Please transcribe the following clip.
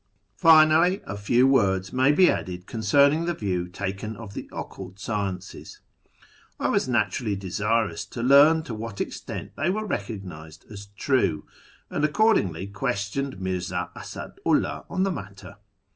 I Finally, a few words may be added concerning the view taken of the occult sciences. I was naturally desirous to learn to what extent they were recognised as true, and accord ingly questioned Mirza Asadu 'ILih on the matter.